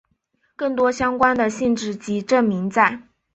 更多相关的性质及证明在。